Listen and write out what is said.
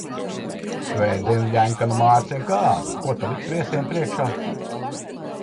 Svētdien Ļenkanu Mārcim kāzas, ko ta liks viesiem priekšā?